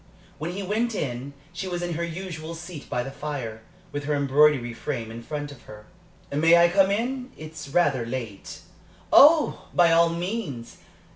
When he went in, she was in her usual seat by the fire, with her embroidery frame in front of her. "May I come in? It is rather late." "Oh, by all means!